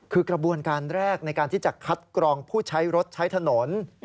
คือกระบวนการแรกในการที่จะคัดกรองผู้ใช้รถใช้ถนน